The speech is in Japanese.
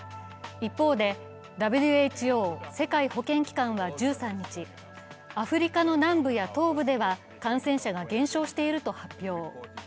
一方でＷＨＯ＝世界保健機関は１３日、アフリカの南部や東部では感染者が減少していると発表。